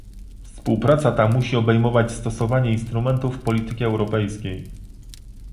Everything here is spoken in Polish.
Współpraca ta musi obejmować stosowanie instrumentów polityki europejskiej